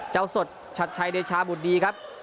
สดชัดชัยเดชาบุตรดีครับ